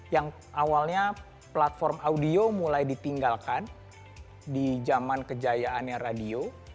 yang awalnya platform audio mulai ditinggalkan di jaman kejadian